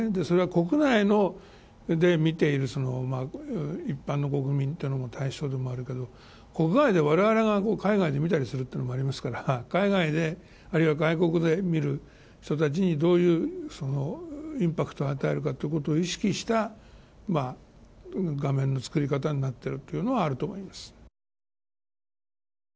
それは国内で見ている一般の国民というのも対象であると思いますけど国外で我々が海外で見たりする場合もありますから海外であるいは外国で見る人たちにどういうインパクトを与えるかということを意識した画面の作り方になっていることはあると思います。